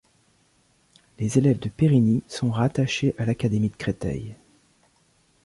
Les élèves de Périgny sont rattachés à l'académie de Créteil.